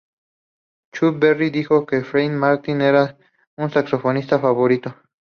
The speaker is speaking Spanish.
Chu Berry dijo que Freddy Martin era su saxofonista favorito.